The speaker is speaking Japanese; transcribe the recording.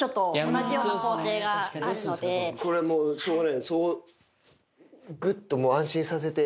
これもうしょうがないよ。